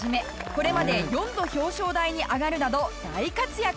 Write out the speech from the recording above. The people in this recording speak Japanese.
これまで４度表彰台に上がるなど大活躍